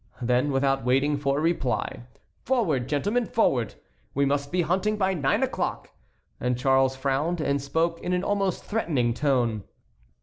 Then without waiting for a reply: "Forward, gentlemen, forward! we must be hunting by nine o'clock!" and Charles frowned and spoke in an almost threatening tone.